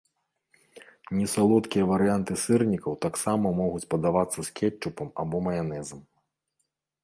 Несалодкія варыянты сырнікаў таксама могуць падавацца з кетчупам або маянэзам.